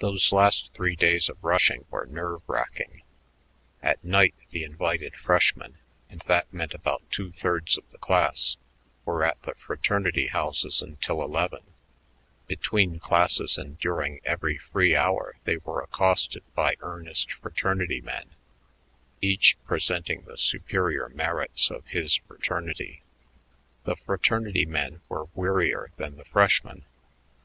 Those last three days of rushing were nerve racking. At night the invited freshmen and that meant about two thirds of the class were at the fraternity houses until eleven; between classes and during every free hour they were accosted by earnest fraternity men, each presenting the superior merits of his fraternity. The fraternity men were wearier than the freshmen.